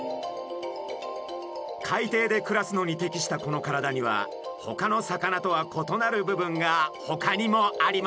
海底で暮らすのに適したこの体にはほかの魚とは異なる部分がほかにもあります。